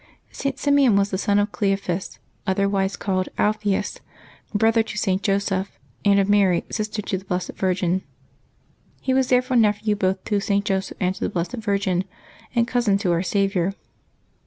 @T. Simeon was the son of Cleophas, otherwise called Alpheus, brother to St. Joseph, and of Mary, sister to the Blessed Virgin. He was therefore nephew both to St. Joseph and to the Blessed Virgin, and cousin to Our Saviour.